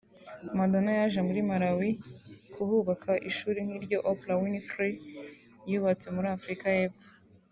Madonna yaje muri Malawi kuhubaka ishuri nk’iryo Oprah Winfrey yubatse muri Afurika y’Epfo